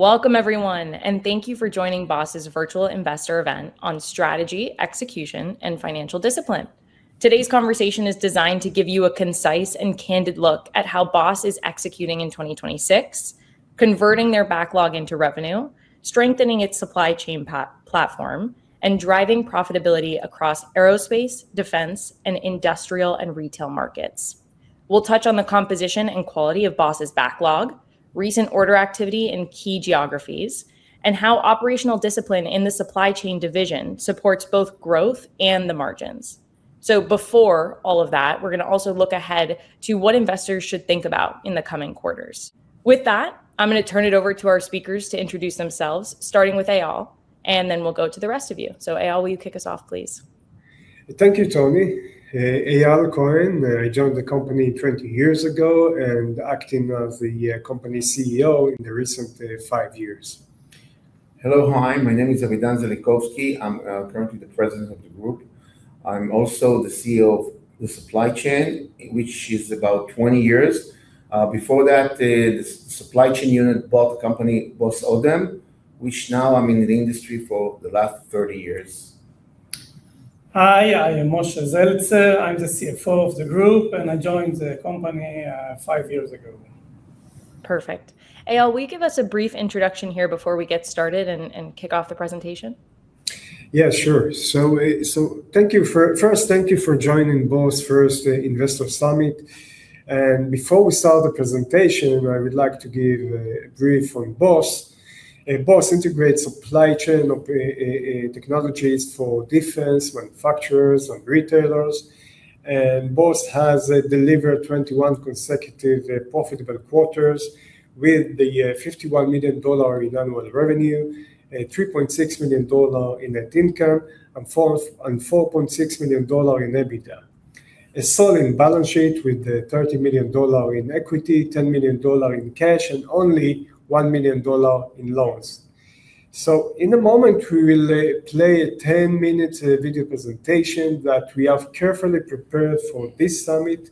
Welcome everyone, and thank you for joining B.O.S.' virtual investor event on strategy, execution, and financial discipline. Today's conversation is designed to give you a concise and candid look at how B.O.S. is executing in 2026, converting their backlog into revenue, strengthening its supply chain platform, and driving profitability across aerospace, defense, and industrial and retail markets. We will touch on the composition and quality of B.O.S.' backlog, recent order activity in key geographies, and how operational discipline in the Supply Chain Division supports both growth and the margins. We are going to also look ahead to what investors should think about in the coming quarters. With that, I am going to turn it over to our speakers to introduce themselves, starting with Eyal, and then we will go to the rest of you. Eyal, will you kick us off, please? Thank you, Toni. Eyal Cohen, I joined the company 20 years ago and acting of the company CEO in the recent five years. Hello. Hi, my name is Avidan Zelicovsky. I am currently the President of the group. I am also the CEO of the Supply Chain Division, which is about 20 years. Before that, the Supply Chain Division bought the company, B.O.S. Odem, which now I am in the industry for the last 30 years. Hi, I am Moshe Zeltzer. I am the CFO of the group, and I joined the company five years ago. Perfect. Eyal, will you give us a brief introduction here before we get started and kick off the presentation? First, thank you for joining B.O.S. first Investor Summit. Before we start the presentation, I would like to give a brief on B.O.S. B.O.S. integrates supply chain of technologies for defense manufacturers and retailers. B.O.S. has delivered 21 consecutive profitable quarters with $51 million in annual revenue, $3.6 million in net income, and $4.6 million in EBITDA. A solid balance sheet with $30 million in equity, $10 million in cash, and only $1 million in loans. In a moment, we will play a 10-minute video presentation that we have carefully prepared for this summit.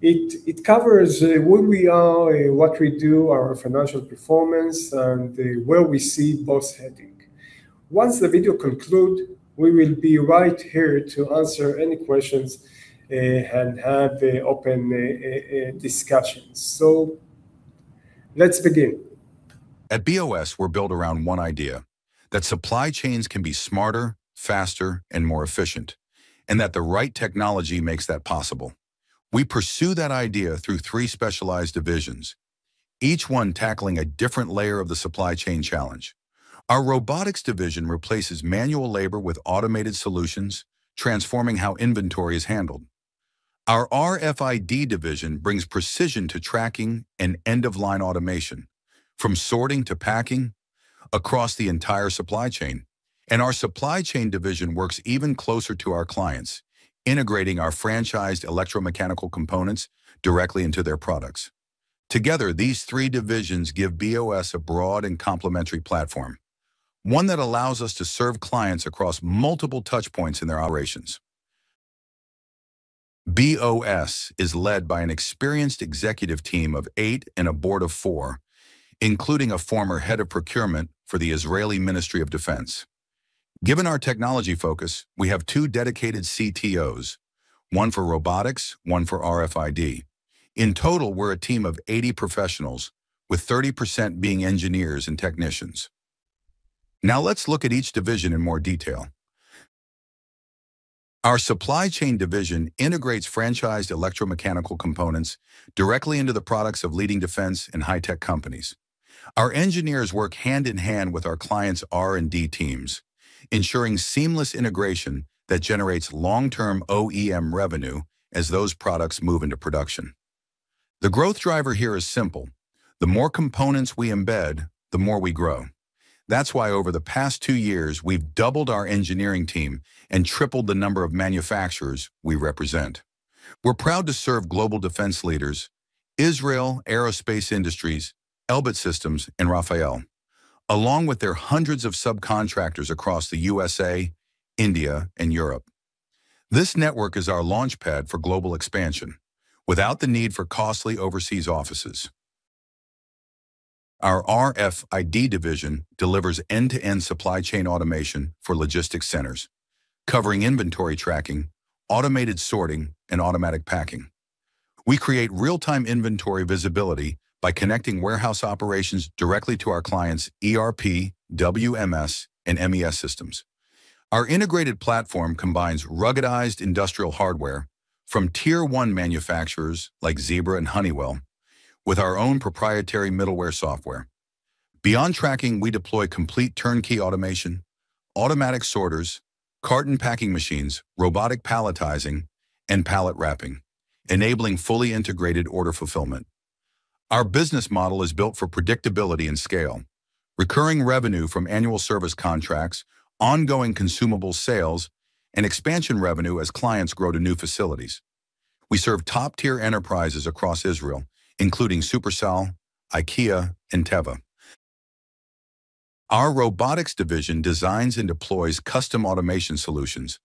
It covers who we are, what we do, our financial performance, and where we see B.O.S. heading. Once the video conclude, we will be right here to answer any questions, and have open discussions. Let's begin. At B.O.S., we're built around one idea, that supply chains can be smarter, faster, and more efficient, and that the right technology makes that possible. We pursue that idea through three specialized divisions, each one tackling a different layer of the supply chain challenge. Our Robotics Division replaces manual labor with automated solutions, transforming how inventory is handled. Our RFID Division brings precision to tracking and end-of-line automation, from sorting to packing across the entire supply chain. Our Supply Chain Division works even closer to our clients, integrating our franchised electromechanical components directly into their products. Together, these three divisions give B.O.S. a broad and complementary platform, one that allows us to serve clients across multiple touch points in their operations. B.O.S. is led by an experienced executive team of eight and a board of four, including a former head of procurement for the Israel Ministry of Defense. Given our technology focus, we have two dedicated CTOs, one for Robotics, one for RFID. In total, we're a team of 80 professionals, with 30% being engineers and technicians. Let's look at each division in more detail. Our Supply Chain Division integrates franchised electromechanical components directly into the products of leading defense and high-tech companies. Our engineers work hand in hand with our clients' R&D teams, ensuring seamless integration that generates long-term OEM revenue as those products move into production. The growth driver here is simple. The more components we embed, the more we grow. That's why over the past two years, we've doubled our engineering team and tripled the number of manufacturers we represent. We're proud to serve global defense leaders Israel Aerospace Industries, Elbit Systems, and RAFAEL, along with their hundreds of subcontractors across the USA, India, and Europe. This network is our launchpad for global expansion without the need for costly overseas offices. Our RFID Division delivers end-to-end supply chain automation for logistics centers, covering inventory tracking, automated sorting, and automatic packing. We create real-time inventory visibility by connecting warehouse operations directly to our clients' ERP, WMS, and MES systems. Our integrated platform combines ruggedized industrial hardware from Tier 1 manufacturers like Zebra Technologies and Honeywell with our own proprietary middleware software. Beyond tracking, we deploy complete turnkey automation, automatic sorters, carton packing machines, robotic palletizing, and pallet wrapping, enabling fully integrated order fulfillment. Our business model is built for predictability and scale, recurring revenue from annual service contracts, ongoing consumable sales, and expansion revenue as clients grow to new facilities. We serve top-tier enterprises across Israel, including Shufersal, IKEA, and Teva. Our Robotics Division designs and deploys custom automation solutions,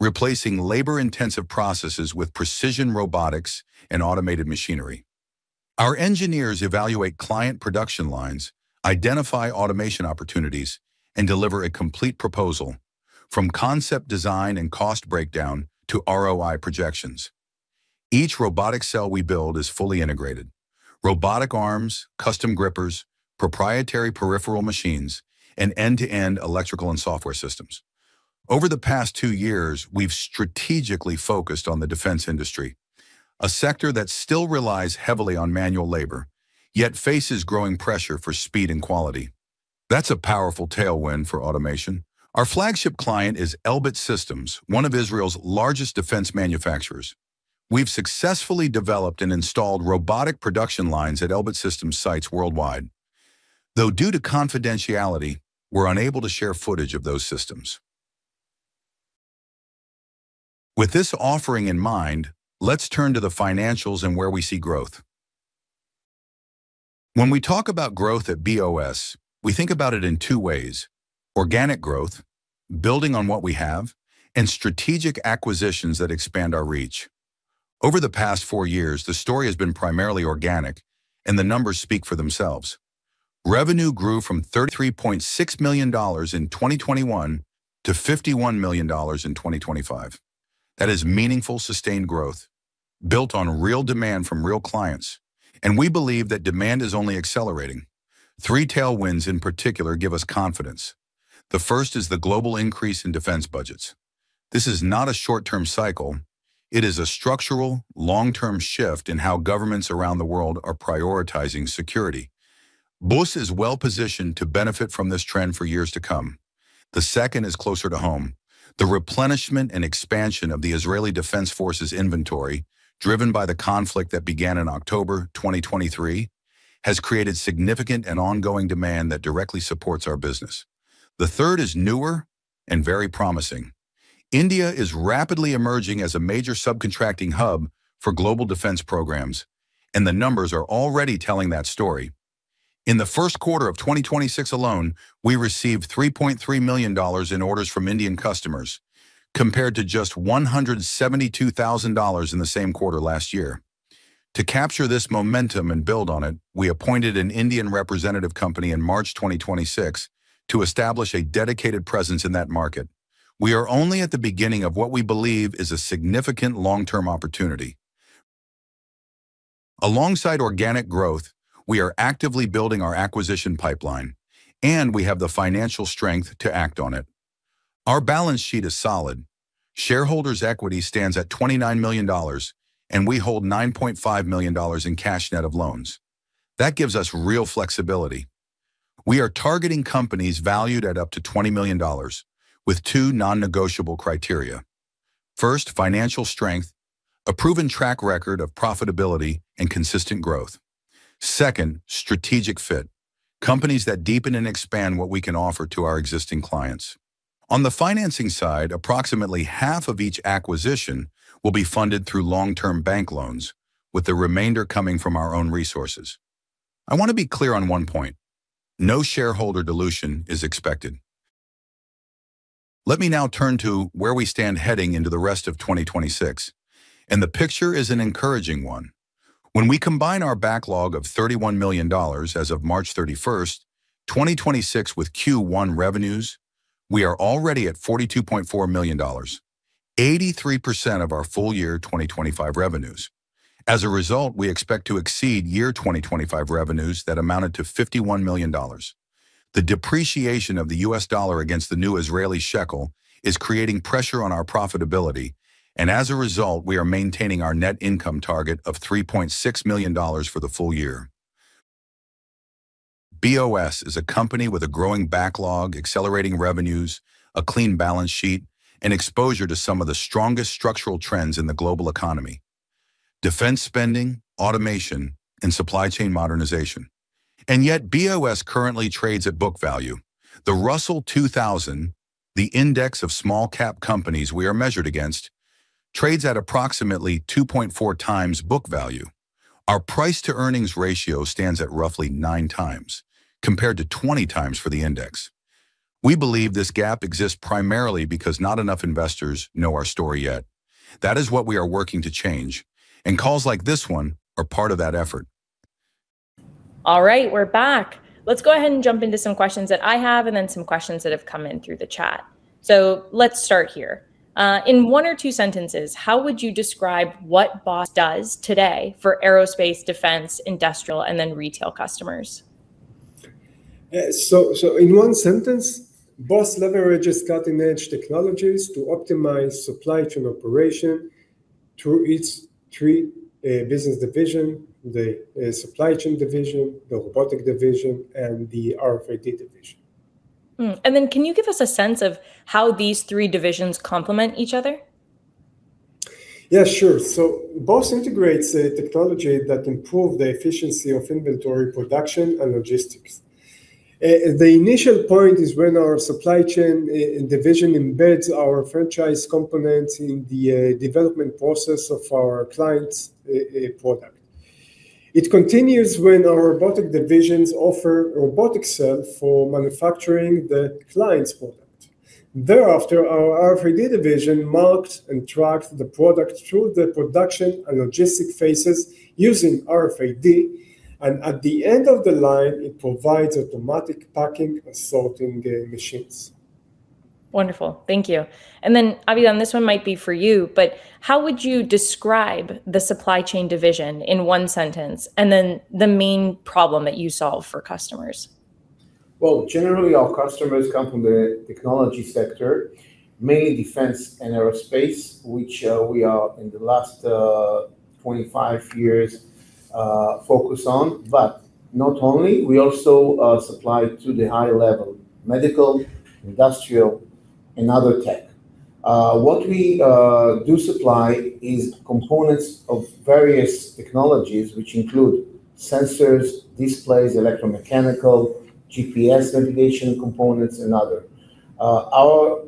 replacing labor-intensive processes with precision robotics and automated machinery. Our engineers evaluate client production lines, identify automation opportunities, and deliver a complete proposal from concept design and cost breakdown to ROI projections. Each robotic cell we build is fully integrated. Robotic arms, custom grippers, proprietary peripheral machines, and end-to-end electrical and software systems. Over the past two years, we've strategically focused on the defense industry, a sector that still relies heavily on manual labor, yet faces growing pressure for speed and quality. That's a powerful tailwind for automation. Our flagship client is Elbit Systems, one of Israel's largest defense manufacturers. We've successfully developed and installed robotic production lines at Elbit Systems sites worldwide. Though due to confidentiality, we're unable to share footage of those systems. With this offering in mind, let's turn to the financials and where we see growth. When we talk about growth at B.O.S., we think about it in two ways: organic growth, building on what we have, and strategic acquisitions that expand our reach. Over the past four years, the story has been primarily organic, and the numbers speak for themselves. Revenue grew from $33.6 million in 2021 to $51 million in 2025. That is meaningful, sustained growth built on real demand from real clients, and we believe that demand is only accelerating. Three tailwinds in particular give us confidence. The first is the global increase in defense budgets. This is not a short-term cycle. It is a structural, long-term shift in how governments around the world are prioritizing security. B.O.S. is well-positioned to benefit from this trend for years to come. The second is closer to home. The replenishment and expansion of the Israel Defense Forces inventory, driven by the conflict that began in October 2023, has created significant and ongoing demand that directly supports our business. The third is newer and very promising. India is rapidly emerging as a major subcontracting hub for global defense programs, and the numbers are already telling that story. In the first quarter of 2026 alone, we received $3.3 million in orders from Indian customers, compared to just $172,000 in the same quarter last year. To capture this momentum and build on it, we appointed an Indian representative company in March 2026 to establish a dedicated presence in that market. We are only at the beginning of what we believe is a significant long-term opportunity. Alongside organic growth, we are actively building our acquisition pipeline, and we have the financial strength to act on it. Our balance sheet is solid. Shareholders' equity stands at $29 million, and we hold $9.5 million in cash net of loans. That gives us real flexibility. We are targeting companies valued at up to $20 million with two non-negotiable criteria. First, financial strength, a proven track record of profitability and consistent growth. Second, strategic fit, companies that deepen and expand what we can offer to our existing clients. On the financing side, approximately half of each acquisition will be funded through long-term bank loans, with the remainder coming from our own resources. I want to be clear on one point. No shareholder dilution is expected. Let me now turn to where we stand heading into the rest of 2026, and the picture is an encouraging one. When we combine our backlog of $31 million as of March 31st, 2026, with Q1 revenues, we are already at $42.4 million, 83% of our full year 2025 revenues. As a result, we expect to exceed year 2025 revenues that amounted to $51 million. The depreciation of the US dollar against the new Israeli shekel is creating pressure on our profitability, and as a result, we are maintaining our net income target of $3.6 million for the full year. B.O.S. is a company with a growing backlog, accelerating revenues, a clean balance sheet, and exposure to some of the strongest structural trends in the global economy: defense spending, automation, and supply chain modernization. Yet B.O.S. currently trades at book value. The Russell 2000, the index of small cap companies we are measured against, trades at approximately 2.4x book value. Our price to earnings ratio stands at roughly nine times, compared to 20 times for the index. We believe this gap exists primarily because not enough investors know our story yet. That is what we are working to change, and calls like this one are part of that effort. All right. We're back. Let's go ahead and jump into some questions that I have and then some questions that have come in through the chat. Let's start here. In one or two sentences, how would you describe what B.O.S. does today for aerospace defense, industrial, and then retail customers? Yeah. In one sentence, B.O.S. leverages cutting-edge technologies to optimize supply chain operation through its three business divisions, the Supply Chain Division, the Robotic Division, and the RFID Division. Can you give us a sense of how these three divisions complement each other? Yeah, sure. B.O.S. integrates technology that improves the efficiency of inventory production and logistics. The initial point is when our Supply Chain Division embeds our franchise components in the development process of our client's product. It continues when our Robotic Divisions offer robotic cell for manufacturing the client's product. Thereafter, our RFID Division marks and tracks the product through the production and logistics phases using RFID, and at the end of the line, it provides automatic packing and sorting machines. Wonderful, thank you. Avidan, this one might be for you, but how would you describe the Supply Chain Division in one sentence, and then the main problem that you solve for customers? Well, generally, our customers come from the technology sector, mainly defense and aerospace, which we are in the last 25 years focused on. Not only, we also supply to the high level medical, industrial, and other tech. What we do supply is components of various technologies which include sensors, displays, electromechanical, GPS navigation components, and others. Our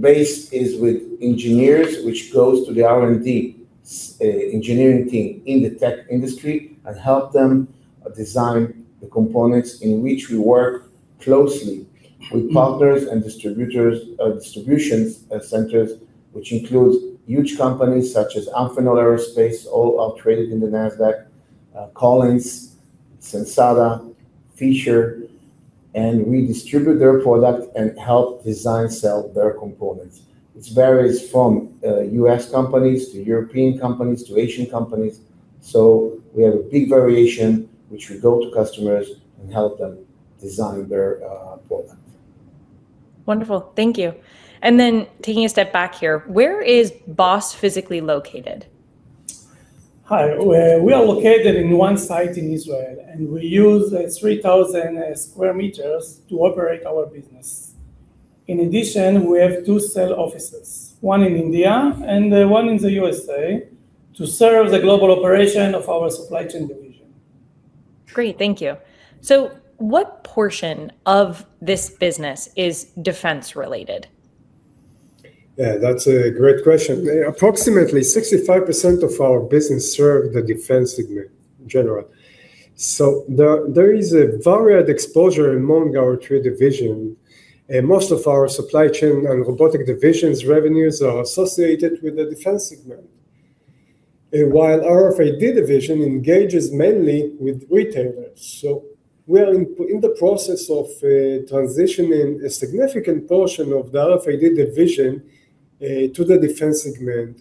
base is with engineers, which goes to the R&D engineering team in the tech industry and help them design the components in which we work closely with partners and distribution centers, which includes huge companies such as Amphenol Aerospace, all are traded in the Nasdaq, Collins, Sensata, Fischer, and we distribute their product and help design sell their components. It varies from U.S. companies to European companies to Asian companies. We have a big variation, which we go to customers and help them design their product. Wonderful, thank you. Taking a step back here, where is B.O.S. physically located? Hi. We are located in one site in Israel, and we use 3,000 sq m to operate our business. In addition, we have two sales offices, one in India and one in the U.S.A. to serve the global operation of our Supply Chain Division. Great, thank you. What portion of this business is defense-related? Yeah, that's a great question. Approximately 65% of our business serves the defense segment in general. There is a varied exposure among our three divisions. Most of our Supply Chain and Intelligent Robotics Divisions revenues are associated with the defense segment, while RFID Division engages mainly with retailers. We are in the process of transitioning a significant portion of the RFID Division to the defense segment.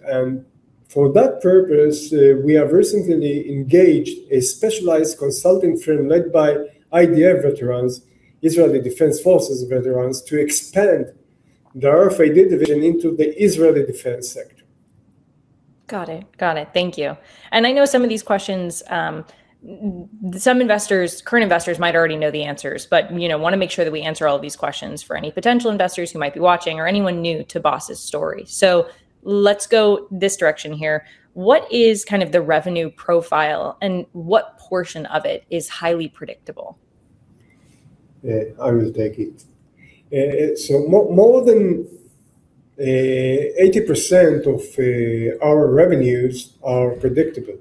For that purpose, we have recently engaged a specialized consulting firm led by IDF veterans, Israeli Defense Forces veterans, to expand the RFID Division into the Israeli defense sector. Got it. Thank you. I know some of these questions, some current investors might already know the answers, but want to make sure that we answer all these questions for any potential investors who might be watching or anyone new to B.O.S.' story. Let's go this direction here. What is the revenue profile and what portion of it is highly predictable? I will take it. More than 80% of our revenues are predictable.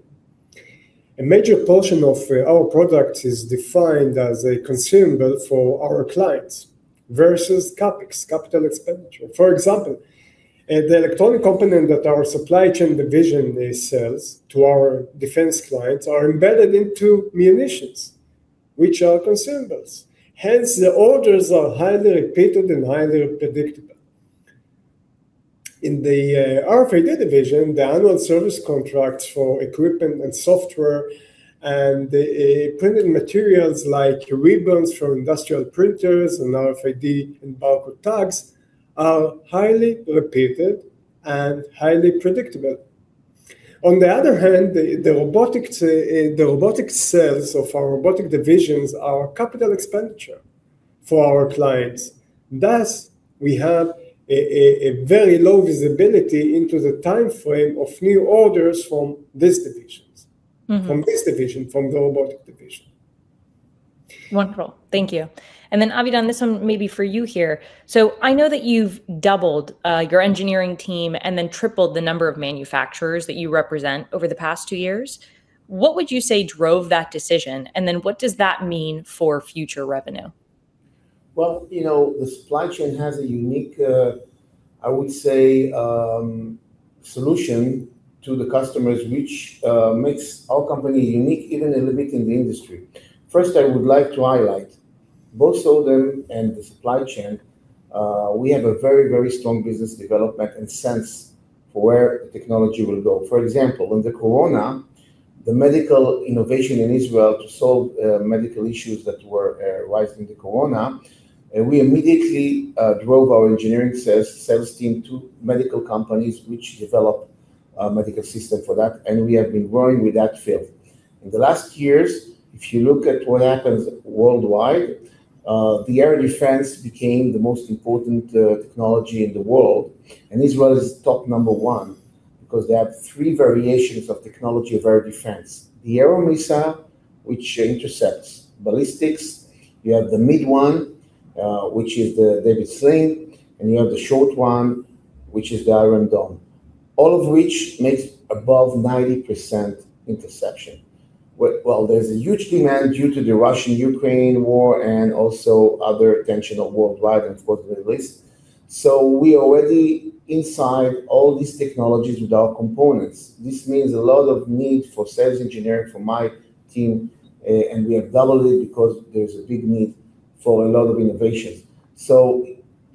A major portion of our product is defined as a consumable for our clients versus CapEx, capital expenditure. For example, the electronic component that our Supply Chain Division sells to our defense clients are embedded into munitions, which are consumables. Hence, the orders are highly repeated and highly predictable. In the RFID Division, the annual service contracts for equipment and software and the printed materials like ribbons for industrial printers and RFID and barcode tags are highly repeated and highly predictable. On the other hand, the robotic cells of our Intelligent Robotics Divisions are capital expenditure for our clients. Thus, we have a very low visibility into the timeframe of new orders from these divisions. From this division, from the Robotic Division. Wonderful. Thank you. Avidan, this one maybe for you here. I know that you've doubled your engineering team and then tripled the number of manufacturers that you represent over the past two years. What would you say drove that decision, what does that mean for future revenue? The Supply Chain Division has a unique, I would say, solution to the customers, which makes our company unique even a little bit in the industry. First, I would like to highlight both Soldier and the Supply Chain Division. We have a very, very strong business development and sense for where the technology will go. For example, in the corona, the medical innovation in Israel to solve medical issues that were raised in the corona, we immediately drove our engineering sales team to medical companies which developed a medical system for that, and we have been growing with that field. In the last years, if you look at what happens worldwide, the air defense became the most important technology in the world. Israel is top number one because they have three variations of technology of air defense. The Arrow missile, which intercepts ballistics. You have the mid one, which is the David's Sling, and you have the short one, which is the Iron Dome. All of which makes above 90% interception. There's a huge demand due to the Russian-Ukraine War and also other tension worldwide, unfortunately. We already inside all these technologies with our components. This means a lot of need for sales engineering for my team, and we have doubled it because there's a big need for a lot of innovations.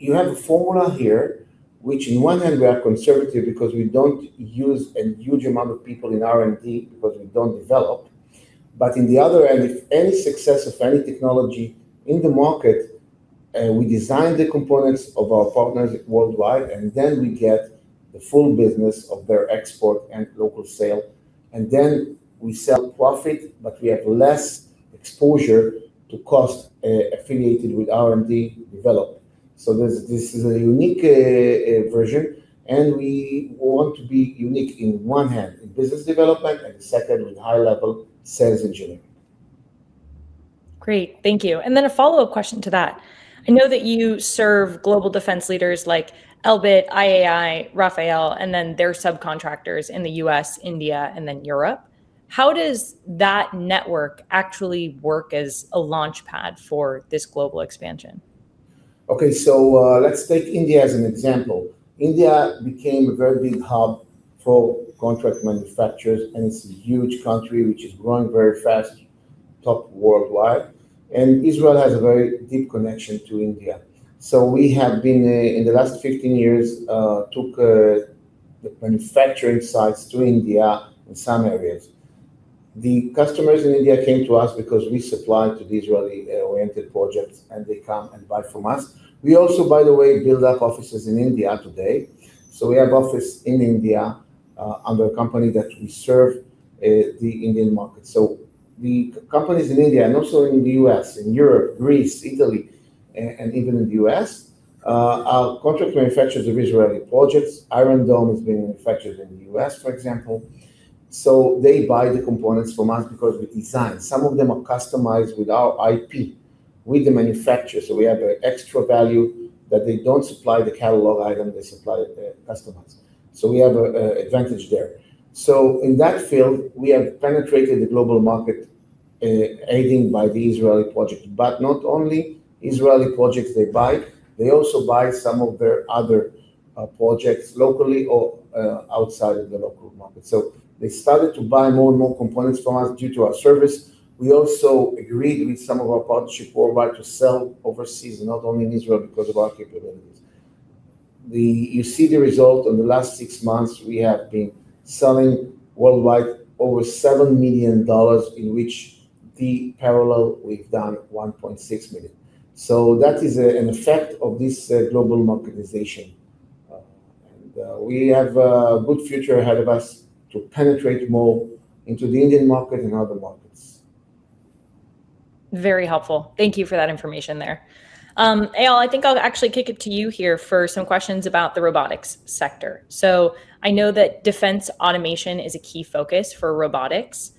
You have a formula here, which on one hand, we are conservative because we don't use a huge amount of people in R&D because we don't develop. On the other hand, if any success of any technology in the market, we design the components of our partners worldwide, we get the full business of their export and local sale. We sell profit, but we have less exposure to cost affiliated with R&D development. This is a unique version, and we want to be unique in one hand in business development and second with high-level sales engineering. Great. Thank you. A follow-up question to that. I know that you serve global defense leaders like Elbit Systems, IAI, RAFAEL, and their subcontractors in the U.S., India, and Europe. How does that network actually work as a launchpad for this global expansion? Let's take India as an example. India became a very big hub for contract manufacturers, and it's a huge country, which is growing very fast, top worldwide. Israel has a very deep connection to India. We have been, in the last 15 years, took manufacturing sites to India in some areas. The customers in India came to us because we supply to the Israeli-oriented projects, and they come and buy from us. We also, by the way, build up offices in India today. We have office in India, under a company that we serve the Indian market. The companies in India, and also in the U.S., in Europe, Greece, Italy, and even in the U.S., are contract manufacturers of Israeli projects. Iron Dome is being manufactured in the U.S., for example. They buy the components from us because we design. Some of them are customized with our IP with the manufacturer, we have an extra value that they don't supply the catalog item, they supply customized. We have an advantage there. In that field, we have penetrated the global market, aided by the Israeli project. Not only Israeli projects they buy, they also buy some of their other projects locally or outside of the local market. They started to buy more and more components from us due to our service. We also agreed with some of our partners worldwide to sell overseas, and not only in Israel because of our capabilities. You see the result in the last six months, we have been selling worldwide over $7 million, in which the parallel, we've done $1.6 million. That is an effect of this global marketization. We have a good future ahead of us to penetrate more into the Indian market and other markets. Very helpful. Thank you for that information there. Eyal, I think I'll actually kick it to you here for some questions about the robotics sector. I know that defense automation is a key focus for robotics.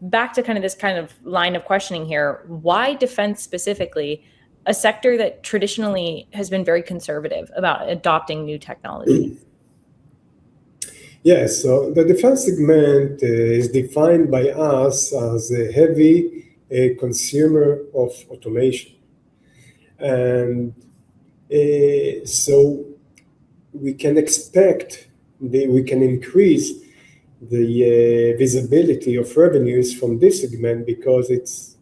Back to this kind of line of questioning here, why defense specifically, a sector that traditionally has been very conservative about adopting new technology? Yes. The defense segment is defined by us as a heavy consumer of automation. We can expect that we can increase the visibility of revenues from this segment because it's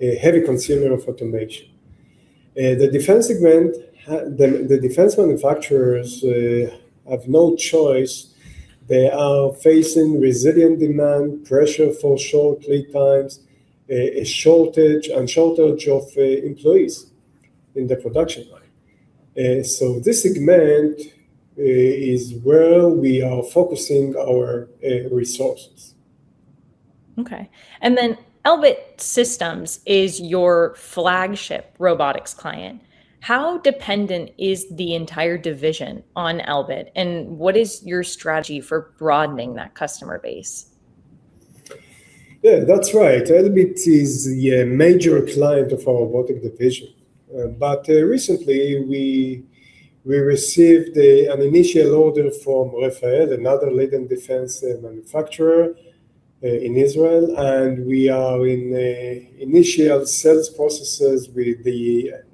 a heavy consumer of automation. The defense manufacturers have no choice. They are facing resilient demand, pressure for short lead times, and shortage of employees in the production line. This segment is where we are focusing our resources. Okay. Elbit Systems is your flagship robotics client. How dependent is the entire division on Elbit Systems, and what is your strategy for broadening that customer base? That's right. Elbit Systems is a major client of our Intelligent Robotics Division. Recently, we received an initial order from RAFAEL, another leading defense manufacturer in Israel, and we are in initial sales processes with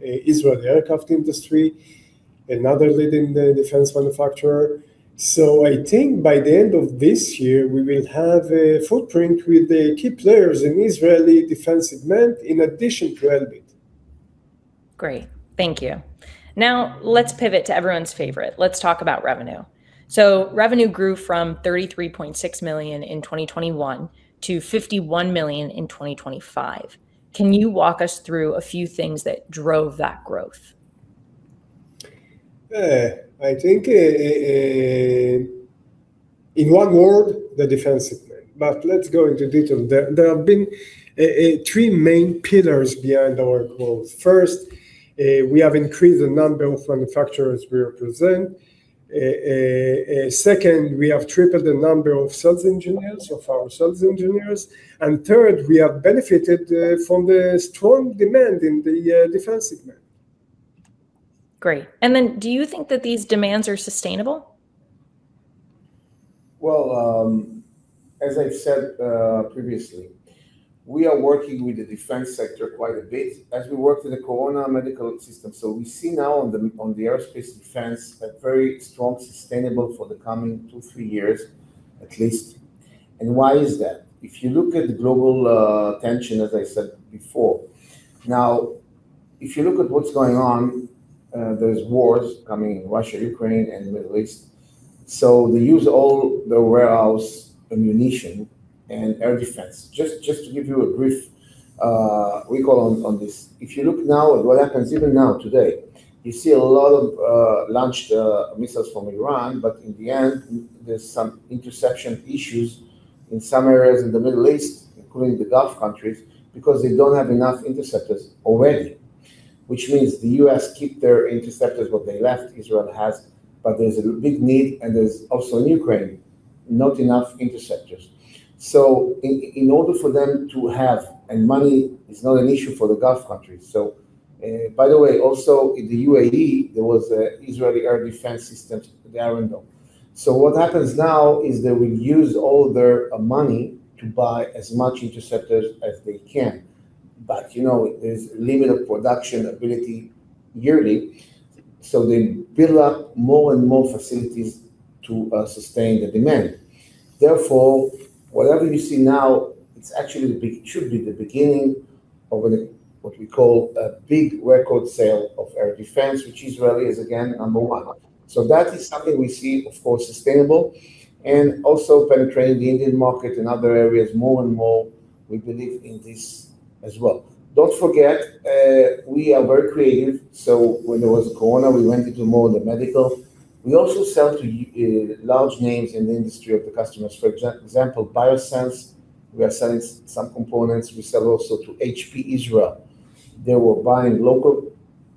Israel Aerospace Industries, another leading defense manufacturer. I think by the end of this year, we will have a footprint with the key players in Israeli defense segment in addition to Elbit Systems. Great. Thank you. Let's pivot to everyone's favorite. Let's talk about revenue. Revenue grew from $33.6 million in 2021 to $51 million in 2025. Can you walk us through a few things that drove that growth? I think in one word, the defense segment, let's go into detail. There have been three main pillars behind our growth. First, we have increased the number of manufacturers we represent. Second, we have tripled the number of our sales engineers. Third, we have benefited from the strong demand in the defense segment. Great. Do you think that these demands are sustainable? Well, as I've said previously, we are working with the defense sector quite a bit as we worked in the COVID medical system. We see now on the aerospace defense a very strong sustainable for the coming two, three years at least. Why is that? If you look at the global tension, as I said before, now, if you look at what's going on, there's wars coming in Russia, Ukraine, and the Middle East. They use all the warehouse ammunition and air defense. Just to give you a brief recall on this. If you look now at what happens even now today, you see a lot of launched missiles from Iran, but in the end, there's some interception issues in some areas in the Middle East, including the Gulf countries, because they don't have enough interceptors already, which means the U.S. keep their interceptors what they left, Israel has, but there's a big need, and there's also in Ukraine, not enough interceptors. Money is not an issue for the Gulf countries. By the way, also in the UAE, there was an Israeli air defense system, the Iron Dome. What happens now is they will use all their money to buy as much interceptors as they can. There's limited production ability yearly, so they build up more and more facilities to sustain the demand. Therefore, whatever you see now, it actually should be the beginning of what we call a big record sale of air defense, which Israeli is again, number one. That is something we see, of course, sustainable and also penetrating the Indian market and other areas more and more. We believe in this as well. Don't forget, we are very creative, so when there was COVID, we went into more of the medical. We also sell to large names in the industry of the customers. For example, Biosense Webster, we are selling some components. We sell also to HP Israel. They were buying local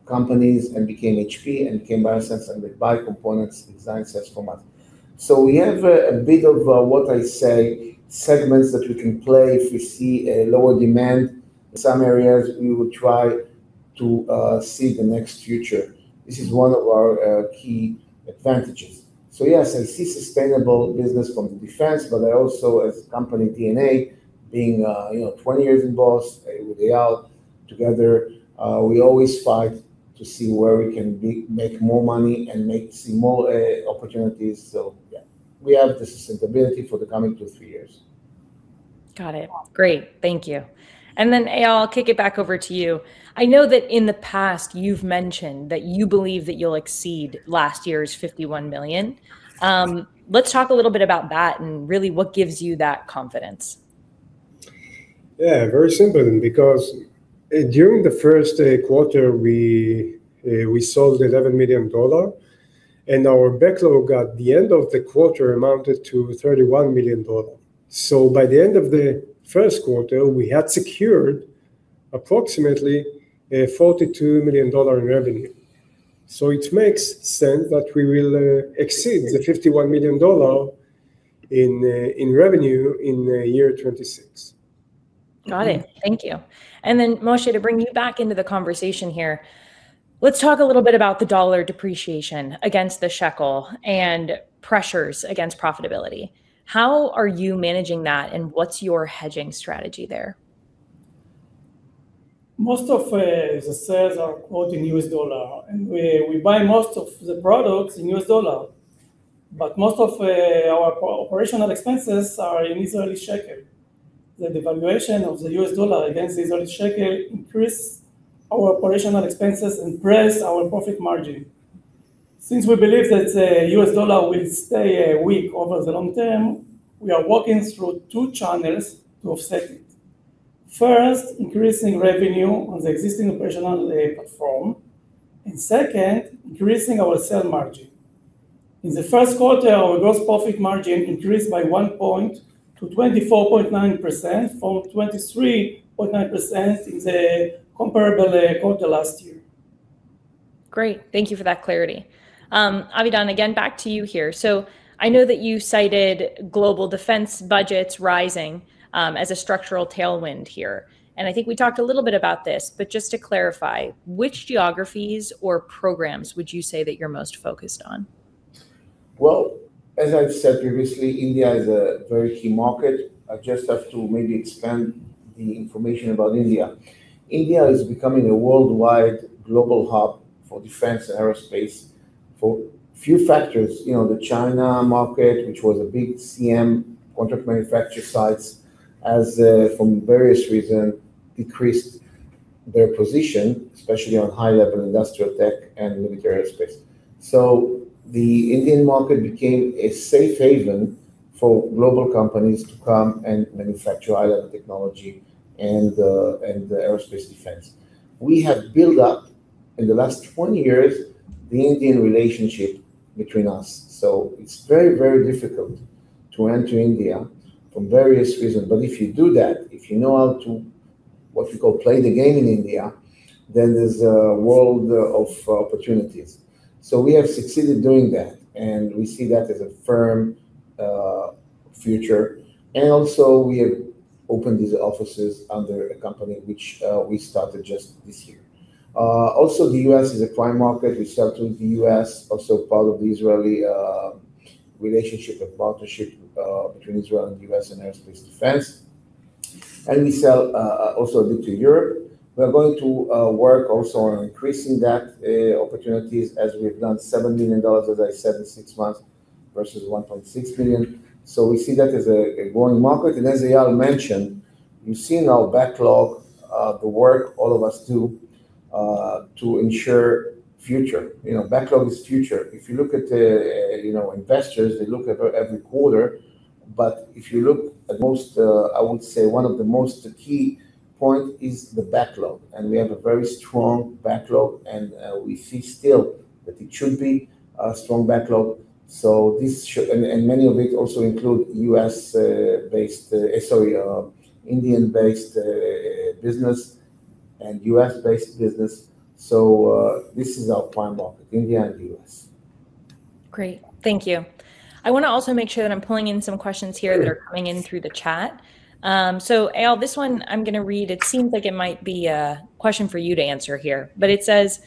companies and became HP and became Biosense Webster, and they buy components, design sets from us. We have a bit of what I say, segments that we can play if we see a lower demand in some areas, we will try to see the next future. This is one of our key advantages. Yes, I see sustainable business from the defense, but I also, as a company DNA, being 20 years involved with Eyal together, we always fight to see where we can make more money and see more opportunities. Yeah, we have the sustainability for the coming two to three years. Got it. Great. Thank you. Eyal, I'll kick it back over to you. I know that in the past you've mentioned that you believe that you'll exceed last year's $51 million. Let's talk a little bit about that and really what gives you that confidence. Yeah, very simple. Because during the first quarter, we sold $11 million, and our backlog at the end of the quarter amounted to $31 million. By the end of the first quarter, we had secured approximately $42 million in revenue. It makes sense that we will exceed the $51 million in revenue in the year 2026. Got it. Thank you. Moshe, to bring you back into the conversation here, let's talk a little bit about the U.S. dollar depreciation against the new Israeli shekel and pressures against profitability. How are you managing that and what's your hedging strategy there? Most of the sales are quoted in U.S. dollar, and we buy most of the products in U.S. dollar. Most of our operational expenses are in new Israeli shekel. The devaluation of the U.S. dollar against the new Israeli shekel increases our operational expenses and presses our profit margin. Since we believe that the U.S. dollar will stay weak over the long term, we are working through two channels to offset it. First, increasing revenue on the existing operational platform. And second, increasing our sale margin. In the first quarter, our gross profit margin increased by one point to 24.9% from 23.9% in the comparable quarter last year. Great, thank you for that clarity. Avidan, again, back to you here. I know that you cited global defense budgets rising as a structural tailwind here, and I think we talked a little bit about this, but just to clarify, which geographies or programs would you say that you're most focused on? Well, as I've said previously, India is a very key market. I just have to maybe expand the information about India. India is becoming a worldwide global hub for defense aerospace for few factors. The China market, which was a big CM, contract manufacturer sites, has, from various reason, decreased their position, especially on high-level industrial tech and military aerospace. The Indian market became a safe haven for global companies to come and manufacture high-level technology and the aerospace defense. We have built up, in the last 20 years, the Indian relationship between us. It's very difficult to enter India from various reason. If you do that, if you know how to, what you call, play the game in India, there's a world of opportunities. We have succeeded doing that, and we see that as a firm future. Also we have opened these offices under a company which we started just this year. Also, the U.S. is a prime market. We sell to the U.S., also part of the Israeli relationship and partnership between Israel and the U.S. in aerospace defense. We sell also to Europe. We are going to work also on increasing that opportunities as we have done $7 million as I said in six months versus $1.6 million. We see that as a growing market. As Eyal mentioned, you've seen our backlog, the work all of us do to ensure future. Backlog is future. If you look at investors, they look at every quarter, but if you look at most, I would say one of the most key point is the backlog, and we have a very strong backlog, and we see still that it should be a strong backlog. Many of it also include Indian-based business and U.S.-based business. This is our prime market, India and U.S. Great. Thank you. I want to also make sure that I'm pulling in some questions here that are coming in through the chat. Eyal, this one I'm going to read, it seems like it might be a question for you to answer here, but it says: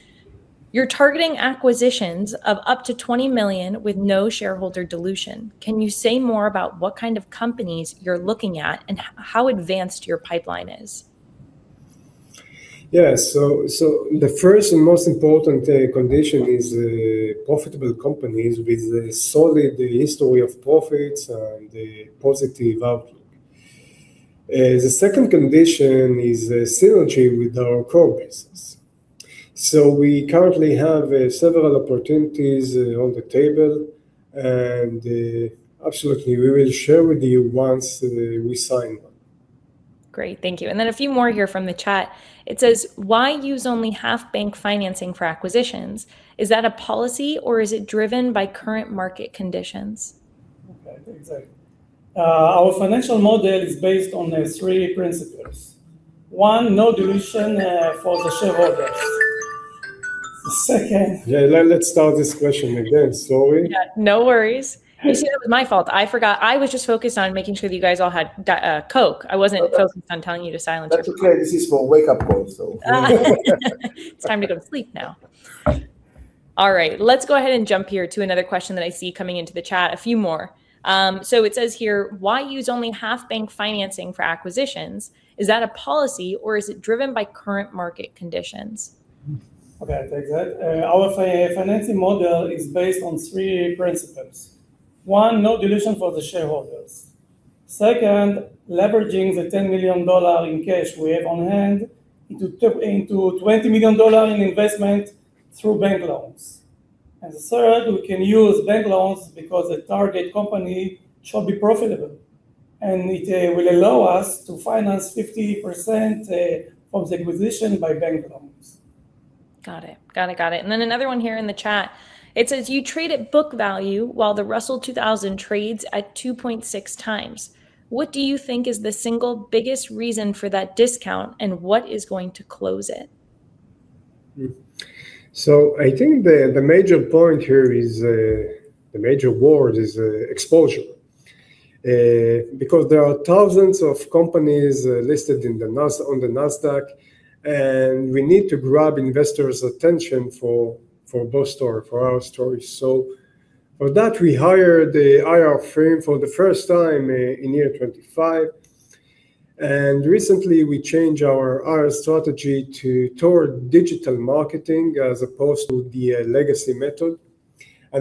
"You're targeting acquisitions of up to $20 million with no shareholder dilution. Can you say more about what kind of companies you're looking at and how advanced your pipeline is? The first and most important condition is profitable companies with a solid history of profits and a positive outlook. The second condition is a synergy with our core business. We currently have several opportunities on the table, and absolutely, we will share with you once we sign them. Great. Thank you. A few more here from the chat. It says: "Why use only half bank financing for acquisitions? Is that a policy or is it driven by current market conditions? [Okay, I'll take that]. Our financial model is based on three principles. One, no dilution for the shareholders. Yeah, let's start this question again. Sorry. Yeah, no worries. Appreciate it, that was my fault, I forgot. I was just focused on making sure that you guys all had Coke. I wasn't focused on telling you to silence your phone. That's okay. This is for wake up call. It's time to go to sleep now. All right. Let's go ahead and jump here to another question that I see coming into the chat a few more. It says here: "Why use only half bank financing for acquisitions? Is that a policy or is it driven by current market conditions? Okay, take that. Our financing model is based on three principles. One, no dilution for the shareholders. Second, leveraging the $10 million in cash we have on hand into $20 million in investment through bank loans. The third, we can use bank loans because the target company should be profitable, and it will allow us to finance 50% of the acquisition by bank loans. Got it. Another one here in the chat. It says: "You trade at book value while the Russell 2000 trades at 2.4x. What do you think is the single biggest reason for that discount, and what is going to close it? I think the major point here is, the major word is exposure. There are thousands of companies listed on the Nasdaq, and we need to grab investors' attention for both story, for our story. For that, we hire the IR firm for the first time in year 2025. Recently, we change our IR strategy toward digital marketing as opposed to the legacy method.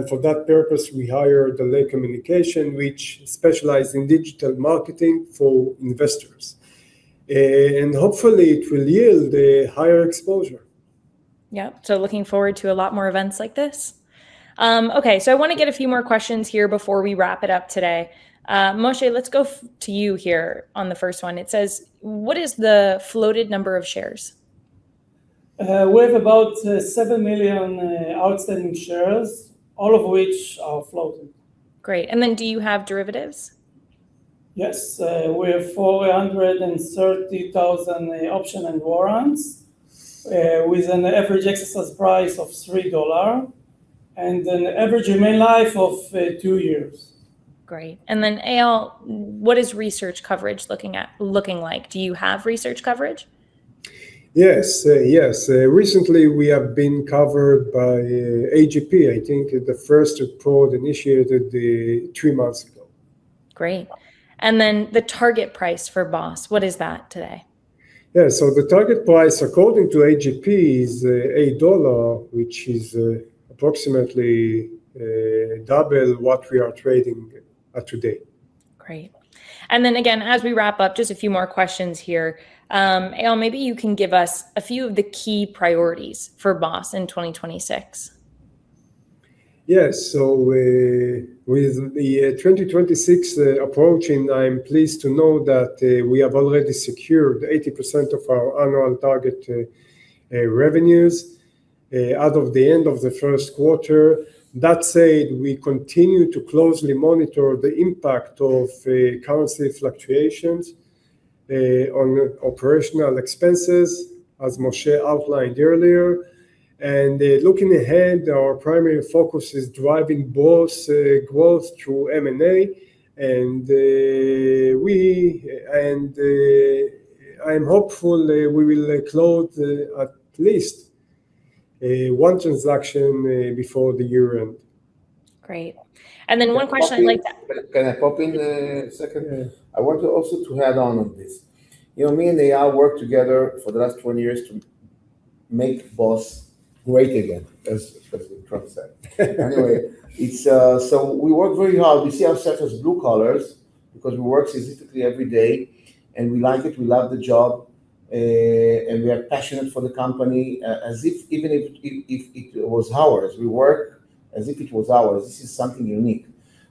For that purpose, we hire the Allele Communications, which specialize in digital marketing for investors. Hopefully, it will yield a higher exposure. Yep. Looking forward to a lot more events like this. Okay. I want to get a few more questions here before we wrap it up today. Moshe, let's go to you here on the first one. It says: "What is the floated number of shares? We have about 7 million outstanding shares, all of which are floated. Great. Do you have derivatives? Yes. We have 430,000 option and warrants, with an average exercise price of $3 and an average remaining life of two years. Great. Eyal, what is research coverage looking like? Do you have research coverage? Yes. Recently, we have been covered by AGP. I think the first report initiated three months ago. Great. The target price for BOSC, what is that today? Yeah, the target price, according to AGP, is $8, which is approximately double what we are trading at today. Great. Again, as we wrap up, just a few more questions here. Eyal, maybe you can give us a few of the key priorities for BOSC in 2026. With the 2026 approaching, I am pleased to know that we have already secured 80% of our annual target revenues out of the end of the first quarter. That said, we continue to closely monitor the impact of currency fluctuations on operational expenses, as Moshe outlined earlier. Looking ahead, our primary focus is driving B.O.S. growth through M&A, and I am hopeful we will close at least one transaction before the year end. Great. Then one question I'd like to Can I pop in a second? Yeah. I want to also add on this. Me and Eyal worked together for the last 20 years to make B.O.S. great again, as Trump said. Anyway, we work very hard. We see ourselves as blue collars because we work physically every day, and we like it. We love the job, and we are passionate for the company, as if even if it was ours, we work as if it was ours. This is something unique.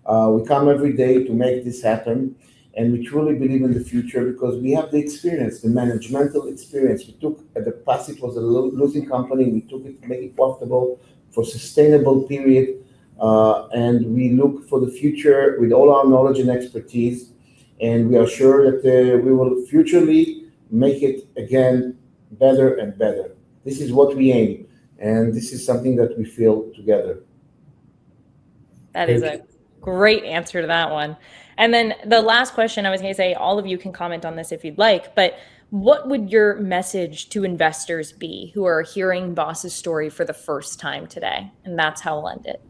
We come every day to make this happen, and we truly believe in the future because we have the experience, the managerial experience. We took, at the past, it was a losing company. We took it to make it profitable for sustainable period. We look for the future with all our knowledge and expertise, and we are sure that we will futurally make it again better and better. This is what we aim. This is something that we feel together. That is a great answer to that one. The last question, I was going to say, all of you can comment on this if you'd like, what would your message to investors be who are hearing B.O.S.'s story for the first time today? That's how I'll end it.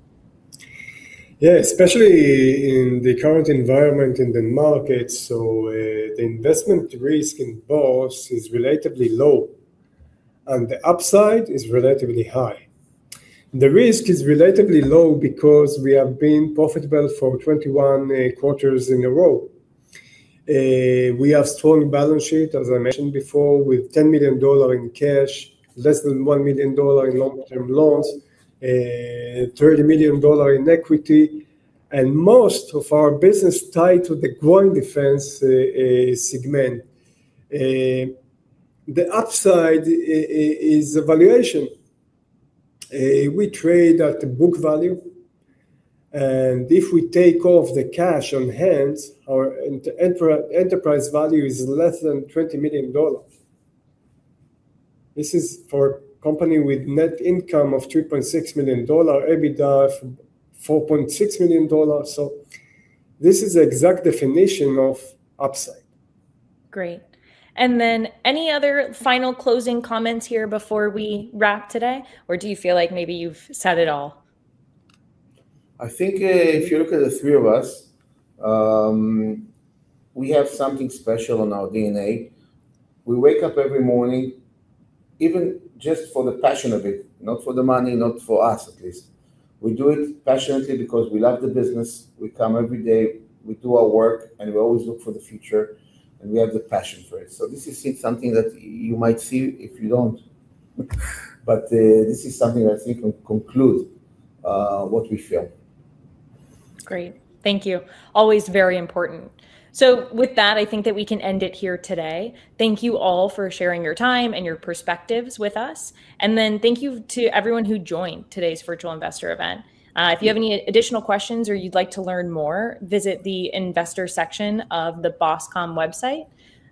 Especially in the current environment in the market, the investment risk in B.O.S. is relatively low, the upside is relatively high. The risk is relatively low because we have been profitable for 21 quarters in a row. We have strong balance sheet, as I mentioned before, with $10 million in cash, less than $1 million in long-term loans, $29 million in equity, most of our business tied to the growing defense segment. The upside is the valuation. We trade at the book value, if we take off the cash on hand, our enterprise value is less than $20 million. This is for a company with net income of $3.6 million, EBITDA of $4.6 million. This is the exact definition of upside. Great. Any other final closing comments here before we wrap today, do you feel like maybe you've said it all? I think if you look at the three of us, we have something special in our DNA. We wake up every morning even just for the passion of it, not for the money, not for us at least. We do it passionately because we love the business. We come every day, we do our work, and we always look for the future, and we have the passion for it. This is it, something that you might see, if you don't. This is something I think will conclude what we feel. Great. Thank you. Always very important. With that, I think that we can end it here today. Thank you all for sharing your time and your perspectives with us. Thank you to everyone who joined today's virtual investor event. If you have any additional questions or you'd like to learn more, visit the investor section of the boscom.com website.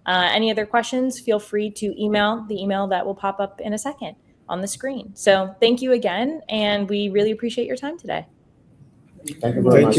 Any other questions, feel free to email the email that will pop up in a second on the screen. Thank you again, and we really appreciate your time today. Thank you very much.